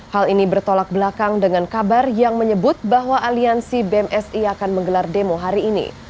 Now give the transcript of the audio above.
hal ini bertolak belakang dengan kabar yang menyebut bahwa aliansi bmsi akan menggelar demo hari ini